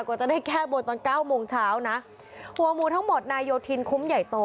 กว่าจะได้แก้บนตอนเก้าโมงเช้านะหัวหมูทั้งหมดนายโยธินคุ้มใหญ่โต